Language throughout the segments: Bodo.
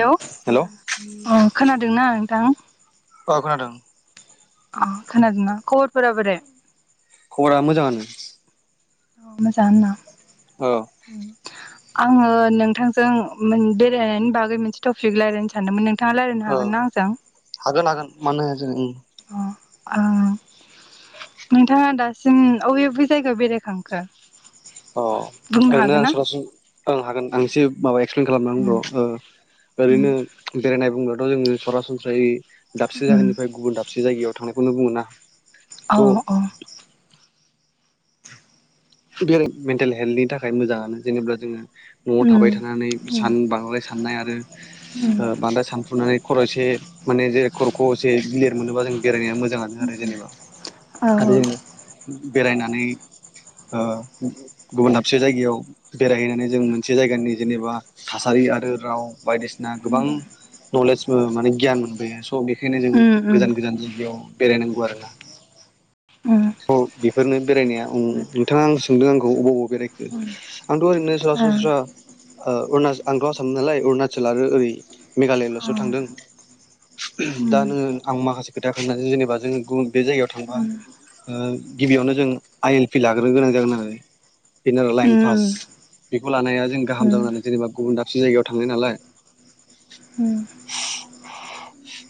हेलौ हेल' अ खोनादोंना नोंथां? अ खोनादों। अ खोनादोंना? खबरफोरा बोरै? खबरा मोजाङानो। मोजांआनो ना? अ उम आङो नोंथांजों मोन बेरायनायनि बागै मोनसे टपिक रायज्लायनो सानदोंमोन नों- नोंथाङा रायलायनो ओ हागोन ना आंजों? हागोन हागोन मानो हाया जानो। उम अ ओ नोंथाङा दासिम अबे अबे जायगायाव बेरायखो? अ बुंनो ओरैनो आं हागोन ना? सरासन ओं हागोन आं एसे माबाया- एक्सप्लेन खालामनानै ब्र' उम ओ उम ओरैनो बेरायनाय बुंब्लाथ' जोङो सरासनस्रायै दाबसे उम जायगानिफ्राय गुबुन दाबसे जायगायाव थांनायखौनो बुङो ना। औ औ बे मेन्टेल हेल्थनि थाखाय मोजाङानो जेनेबा जोङो न'आव उम थाबाय थानानै उम सान बांद्राय साननाय आरो उम ओ बांद्राय सानफ्रुनानै खर' एसे माने जेरै खर' खौ एसे गिलिर मोनोबा जों बेरायनाया मोजां। मोनो आरो जेनेबा औ औ आरो बेरायनानै ओ गुबुन दाबसे जायगायाव बेरायहैनानै जों मोनसे जायगानि जेनेबा थासारि आरो राव बायदिसि- ना गोबां नलेजबो माने गियान मोनबोयो। स' बेखायनो जों उम गोजान-गोजान जायगायाव बेरायनांगौ आरो ना? उम औ बेफोरनो बेरायनाया उम। नोंथाङा आं सोंदों आंखौ अबाव-अबाव बेरायखो आंथ' ओरैनो औ सरासनस्रा ओ अरुना आंथ' आसाम नालाय अरुणाचल आरो ओरै मेघालयल'सो थांदों। दा उम नोङो आं माखासे खोथा खोनथानि जेनेबा जोङो गुबुन बे जायगायाव उम थांबा ओ गिबियावनो जों आइ एल पि लाग्रो गोनां जागोन आरो बेनो आरो लाइन पास। बेखौ लानाया जों गाहाम जानानै जेनेबा गुबुन दाबसे जायगायाव थाङो नालाय। ओम।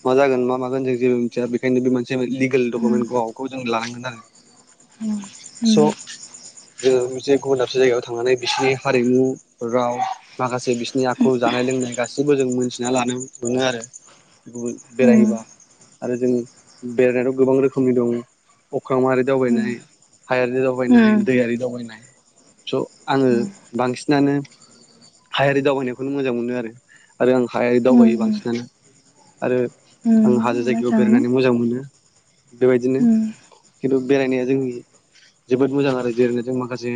मा जागोन मा मागोन जों जेबो मिथिया बेखायनो बे मोनसे लिगेल डकुमेन्ट गखौ जों लानांगोन आरो। ओम। जोङो मोनसे गुबुन दाबसे जायगायाव थांनानै बिसिनि हारिमु राव माखासे बिसिनि आखु जानाय लोंनाय गासिबो जों मोनथिना लानो मोनो आरो। उम बेरायहैबा आरो जों बेरायनायाथ' गोबां रोखोमनि दं अख्रांमायारि उम दावबायनाय हायारि दावबायनाय उम दैयारि दावबायनाय स' आङो बांसिनानो हायारि दावबायनायखौनो मोजां मोनो आरो आं हायारि दावबायो उम उम बांसिनानो। आरो उम आं हाजो जायगायाव मोजाङानो बेरायनानै मोजां मोनो। बेबायदिनो उम खिन्थु बेरायनाया जोंनि जोबोद मोजां आरो जेरैनो जों माखासे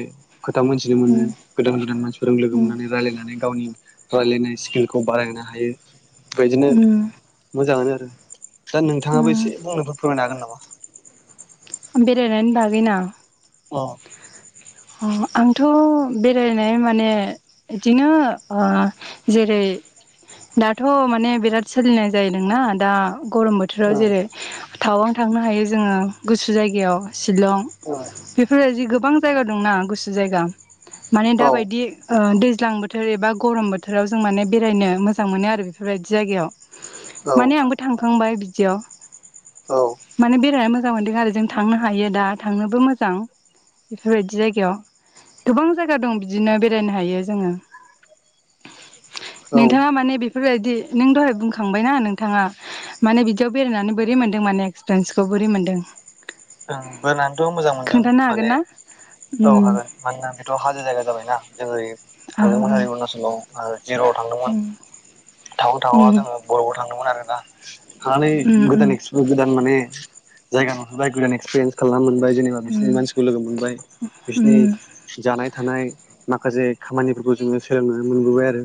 खोथा मोनथिनो मोनो उम गोदान-गोदान मानसिफोरजों लोगो उम मोननानै रायजलायनानै गावनि रायलायनाय स्किलखौ बारायनो हायो। बेबायदिनो उम मोजाङानो आरो दा नोंथाङाबो एसे उम बुंनायफोर फोरमायनो हागोन नामा? बेरायनायनि बागै ना? अ। आंथ' बेरायनाय माने बिदिनो ओ जेरै दाथ' माने बिराद सोलिनाय जायोदोंना दा गरम बोथ औ बोथोराव जेरै थावां थांनो हायो जोङो गुसु जायगायाव। शिलं बेफोरबायदि गोबां जायगा दंना गुसु जायगा। माने औ दाबायदि ओ दैज्लां बो थोर एबा गरम बोथोराव जों माने बेरायनो मोजां मोनो आरो बेफोरबायदि जायगायाव औ माने आंबो थांखांबाय बिदियाव औ माने बेरायना मो जां मोनदों आरो जों थांनो हायो दा थांनोबो मोजां। बेफोरबायदि जायगायाव गोबां जायगा दं बिदिनो बेरायनो हायो जोङो। औ नोंथाङा माने बेफोरबायदि नों दहाय बुंखांबायना नोंथाङा। माने बिदियाव बेरायनानै बोरै मोन्दों माने एक्सपिरियेन्सखौ बोरै मोन्दों? ओं बोनानैथ' मोजां मोनदों हागोन माने ना औ उम हागोन। मानोना बेथ' हाजो जायगा जाबायना जों ओरै ओ थांदोंमोन ओरै अरुणाचलाव। ओ जिर'आव थांदोंमोन थाववां थाववांआव उम जोङो बरफआव थांदोंमोन आरोना। थानानै उम गोदान एस्कपिरियेस्न गोदान माने जायगा नुहैबाय गोदान एक्सपिरियेन्स खालामनो मोनबाय। जेनेबा उम बिसिनि उम मानसिखौ लोगो मोनबाय बिसिनि उम जानाय थानाय माखासे खामानिफोरखौ जोङो सोलोंनानै मोनबोबाय आरो।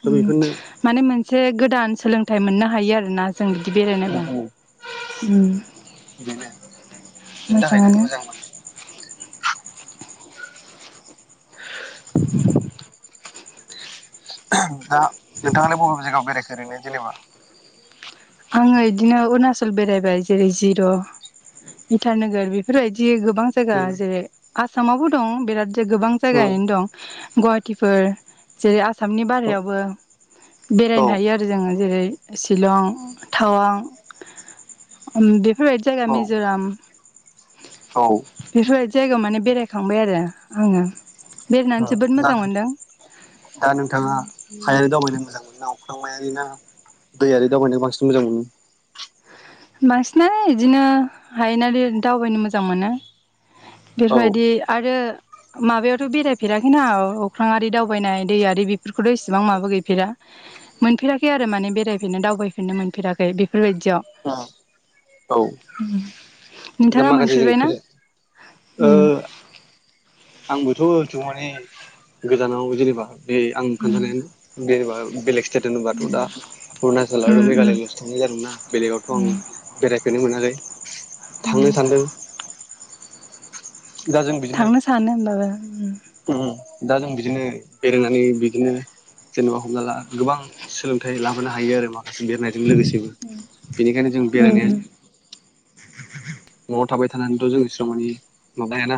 स' उम बेफोरनो माने मोनसे गोदान सोलोंथाइ मोननो हायो आरो ना। जों बिदि औ बेरायनोबा औ उम बेनो बेनि थाखायनो मोजाङानो। मोजां माने [inaudible] दा नोंथाङालाय बबे बबे जायगायाव बेरायखो ओरैनो जेनेबा? आङो इदिनो अरुणाचल बेरायबाय जेरै जिर' इटा नोगोर बेफोरबायदि गोबां जायगा जेरै आसामावबो दं बिराद गोबां जायगायैनो दं गहाटिफोर। जेरै आसामनि बाहेरायावबो औ बेरायनो हायो आरो जोङो जेरै शिलं टावां उम बेफोरबायदि जायगा मिज'राम। औ। बेफोरबायदि जायगायाव माने बेरायखांबाय आरो आङो। बेरायनानै अ जोबोद दा मोजां नों मोनदों दा नोंथाङा हायारि दावबायनो मोजां मोनो ना अख्रांमायारि ना दैआरि दावबायनायाव बांसिन मोजां मोनो? बांसिनानो इदिनो हायेनारि दावबायनो मोजां मोनो। औ बेफोरबायदि आरो माबायावथ' बेरायफेराखैना अख्रांआरि दावबायनाय दैआरि बेफोरखौथ' इसेबां माबा गैफेरा। मोनफेराखै आरो माने बेरायफेरनो दावबायफेरनो मोनफेराखै बेफोरबायदियाव। अ औ। उम दा नोंथाङा माखासे जों मोनफेरबाय ना खोथा ओ उम। आंबोथ' एथबां माने गोजानाव जेनेबा बे आं खोन्थानाय बे बा बेलेग स्थेट होनोबाथ' दा अरुणाचल उम आरो उम मेघालय ल' थांनाय जादोंमोन ना बेलेगावथ' आं बेरायफेरनो मोनाखै थांनो सानदों। दा जों बिदिनो थांनो सानो होमबाबो उम दा जों बिदिनो बेरायनानै बिदिनो जेनेबा हमना ला गोबां सोलोंथाइ लाबोनो हायो आरो मा। बेरायनायजों लोगोसेबो बेनिखायनो जों उम बेरायनाया न'आव थाबाय थानानैथ' जों इसिबां मानानि माबायाना।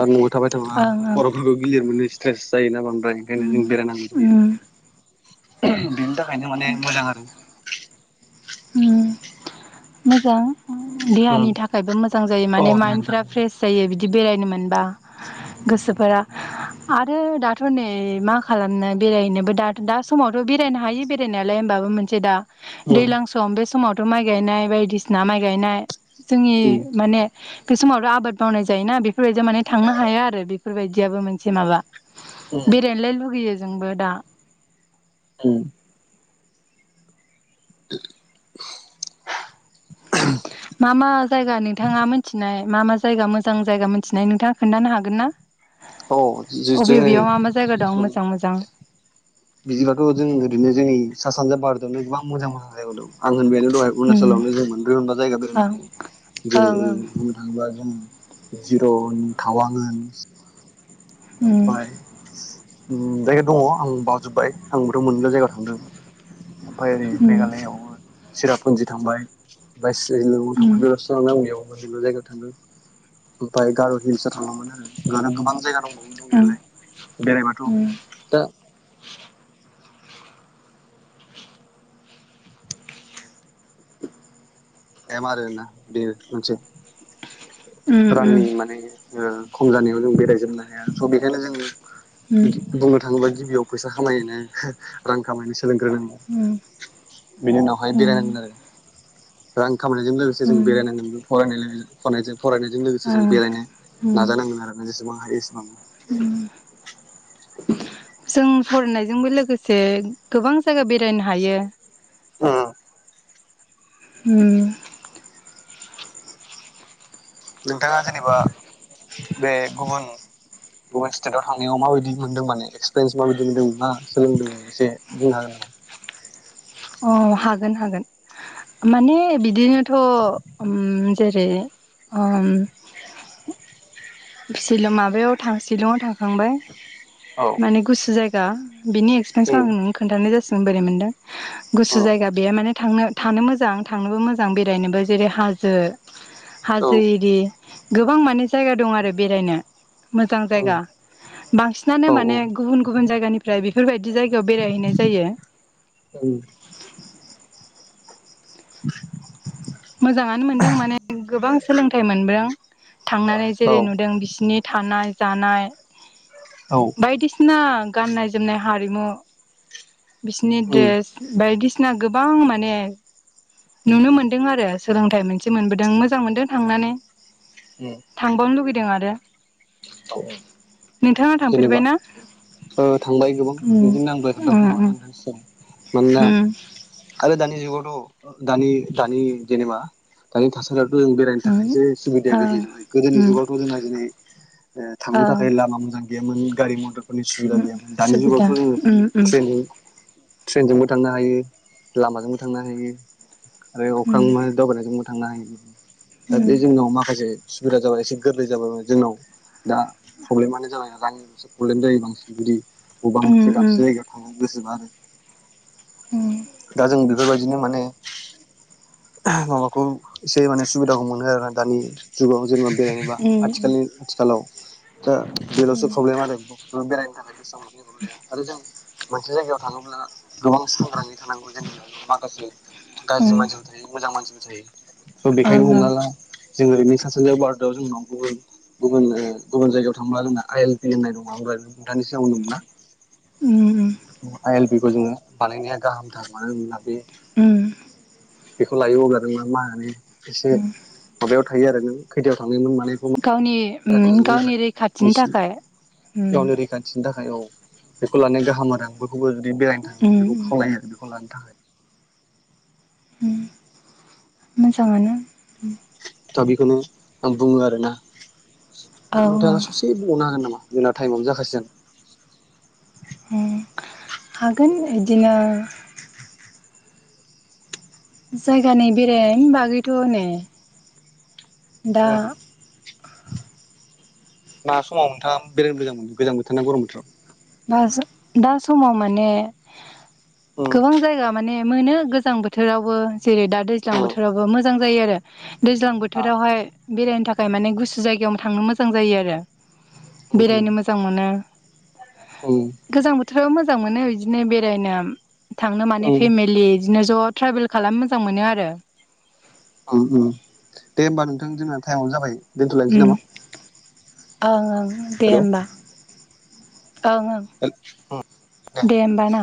आरो न'आव थाबाय थाबा ओं ओं खर'फोरखौ गिलिर मोनो स्ट्रेस जायो ना ओमफ्राय ओंखायनो जों बेरायनांगौ उम जायो बेनि थाखायनो माने मोजां आरो। उम मोजां देहानि उम थाखायबो मोजां जायो औ माने देहानि माइन्दफ्रा थाखायबो फ्रेस जायो बिदि बेरायनो मोनबा गोसोफोरा आरो दाथ' नै मा खालामनो बेरायनोबो दा दा समावथ' बेरायनो हायो बेरायनायालाय होनबाबो मोनसे दा दैज्लां सम बे समावथ' माइ गायनाय बायदिसिना माइ गायनाय जोंनि उम माने बे समावथ' आबाद मावनाय जायोना बेफोरबायदियाव माने थांनो हाया आरो बेफोरबायदियाबो मोनसे माबा बेरायलाय लुुबैयो जोंबो दा। उम। [unintelligible] मा मा जायगा नोंथाङा मोनथिनाय मा मा जायगा मोजां जायगा मिथिनाय नोंथाङा खोनथानो हागोन ना? औ अबे जोङो बबेयाव मा मा जा जायगा दं मोजां मोजां? बिदिबाथ' जों ओरैनो जोंनि सा सानजा भारतावनो गोबां मोजां मोजां जायगायाव दं आं होनबायानो दहाय ओम अरूणाचलावनो जों मोनब्रै मोनबा जायगा बेरायनो ओं हायो ओं ओं जेरै थाङोबा जोङो जिर'न थावां होन ओं ओमफाय उम जायगा दङ आं बावाजोब्बाय आंबोथ' मोनबाल' जायगायाव थांदों। ओमफाय ओरै ओं मेघालयावबो चिरापुन्जि थांबाय। फाय सिलंआव ओं थांबाय बेयावबो आं बेयाव मोनल' जायगायाव थादों। ओमफाय गार' हिल्सआव थांदोंमोन आरो आरो गोबां जायगा दंबावो ओं दंनायालाय बेरायबाथ' जों दा एम आरोना बेयो मोनसे रांनि माने ओ खम जानायाव जों बेरायजोबनो हाया स' बेखायनो जोङो बुंनो थाङोब्ला गिबियाव फैसा खामायनो रां खामायनो सोलोंग्रोनां उम। बिनि उनावहाय बेरायनांगोन आरो। रां खामायनायजों लोगोसे जों बेरायनांगोनबो। फरायनाय फनायजों फरायनायजों लोगोसे जों बेरायनो नाजानांगोन आरोना जेसेबां हायो एसेबां। उम। जों फरायनायजोंबो लोगोसे गोबां जायगा बेरायनो हायो। उम। उम। नोंथाङा जेनेबा बे गुबुन गुबुन स्टेटव थांनायाव माबायदि मोनदों माने एक्सपिरियेन्स माबायदि मोनदों मा सोलोंदों एसे बुंनो हागोन नामा? अ हागोन हागोन। माने बिदिनोथ' उम जेरै ओ उम फिसिल माबायाव थां सिलंआव थांखांबाय औ माने गुसु जायगा गा बेनि एक्सपिरियेन्सखौ आं उम नोंनो खोनथानाय जासिगोन बोरै मोनदों। औ गुसु जायगा बे माने थांनो थानो मोजां थांनोबो मोजां बेरायनोबो जेरै हाजो उम औ हाजो एरि गोबां माने जायगा दं आरो बेरायनो। मोजां जायगा औ उम बांसिनानो औ माने गुबुन गुबुन जायगानिफ्राय बेफोरबायदि जायगायाव बेरायहैनाय जायो। उम मोजाङानो मोनदों माने गोबां सोलोंथाइ मोनबोदों थांनानै। जेरै नुदों बिसिनि थानाय जानाय औ। बायदिसिना गाननाय जोमनाय हारिमु बिसिनि उम द्रेस बायदिसिना गोबां माने नुनो मोन्दों आरो सोलोंथाइ मोनसे मोनबोदों मोजां मोनदों थांनानै। उम। थांबावनो लुगैदों आरो औ नोंथाङा थांफेरबाय जेनेबा ना? ओ थांबाय गोबां उम बिदिनो आं दहाय खोन्था उम उम बुंखाबाय सिगां मानोना उम आरो दानि जुगावथ' दानि दानि जेनेबा दानि थासारियावथ' जों बे बेरायनो थाखाय एसे सुबिदाया गोर्लै जाबाय गोदोनिुगावथ' जोंना दिनै थांनो थाखाय सुबिदा लामा मोजां गैयामोन गारि मथर नि सुबिदा गैयामोन दानि जुगावथ' ओं जोङो ओं ट्रेनजों ट्रेनजोंबो थांनो हायो लामाजोंबो थांनो हायो आरो अख्रांमोन दावबायनाय जोंबो थांनो हायो माने दा बे जोंनाव माखासे सुबिदा जाबाय एसे गोरलै जाबाय जोंनाव दा प्रब्लेमानो जाबाय रांनिल'सो प्रब्लेम जायो बांसिन जुदि बबां मोनसे दाबसे जायगायाव थांनो गोसोबा आरो ओम दा जों बेफोरबायदिनो माने माबाखौ एसे माने सुबिदाखौ मोनो आरोा दानि जुगाव जेनेबा बेरायेनबा उम आथिखालनि आथिखालाव दा बेलावसो प्रब्लेम आरो रुबब सम औ [inaudible] आरो जों मोनसे जायगायाव थाङोब्ला गोबां सांग्राङै थानांगौ जेनेबा माखासे गाज्रि मानसिबो थायो मोजां मानसिबो थायो स' बेखायनो हमना ला जों ओरैनो सा सानजा भारतआव जोंनाव गुबुन गुबुन गुबुन जायगायाव थांब्ला जोंना आइ एल पि होननाय दङ ओमफ्राय नोंथनि सिगांंनो मोना उम आइ एल पि खौ जोङो बानायनाया गाहामथार मानो होनोब्ला बे ओं बेखौ लायो अब्ला नों मा मा होने एसे माबायाव थायो आरो नों खैथायाव थांनाय मानायखौ गावनि थाजोबो नालाय गावनि रैखाथिनि थाखाय मिथिनो थाखाय औ बेखौ लानाया गाहाम आरो आं बयखौबो जुदि बेरायनो उम थाङोब्ला बेखौ खावलायो आरो बेखौ लानो थाखाय मोजां मोनो। दा बेखौनो आं बुङो आरोना औ नोंथाङा दे बुंनो हागोन नामा जोंना टाइमावनो जाखागोन हागोन बिदिनो जायगानि बेरायनायनि बागैथ' ने दा मा समाव नोंथाङा बेरायनो मजां मोनदों गोजां बोर ना गरम बोथाव दा समाव माने गोबां जायगा माने मोनो गोजां बोथोर। बोथोरावबो जेरै दा दैज्लां बोथोरावबो मोजां जायो आरो दैज्लां बोथोरावहाय बेरायनो थाखाय माने गुसु जायगायावनो थांनो मोजां जायो आरो बेरायनो मोजां मोनो। गोजां बोथोराव मोजां मोनो बिदिनो बेरायनो थांनो मानो फेमिलि बिदिनो ज' ट्रेभेल खालामनो मोजां मोनो आरो दे होमबा नोंथां जोंना टाइमाबो जाबाय दोनथ'लायनोसै ओं नामा ओं दे हेल' होमबा ओं ओं। [inaudible] दे होमबा ना।